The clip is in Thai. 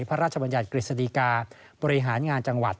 พระราชบัญญัติกฤษฎีกาบริหารงานจังหวัด